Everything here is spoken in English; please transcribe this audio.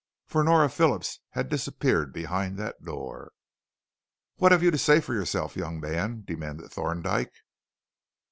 For Nora Phillips had disappeared behind that door. "What have you to say for yourself, young man?" demanded Thorndyke.